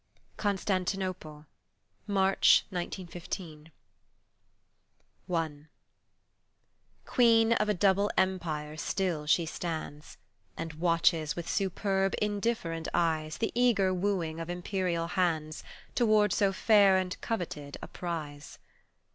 CONSTANTINOPLE, MARCH MCMXV I QUEEN of a double empire still she stands, And watches with superb indifferent eyes The eager wooing of Imperial hands Towards so fair and coveted a prize.